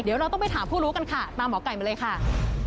เดี๋ยวเราต้องไปถามผู้รู้กันค่ะตามหมอไก่มาเลยค่ะ